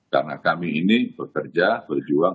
karena kami ini bekerja berjuang